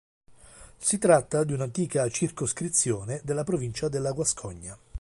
Si tratta di un'antica circoscrizione della provincia della Guascogna.